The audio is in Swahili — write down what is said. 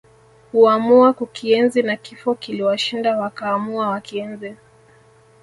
Huamua kukienzi na Kifo kiliwashinda wakaamua wakienzi